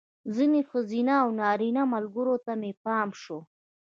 ځینو ښځینه او نارینه ملګرو ته مې پام شو.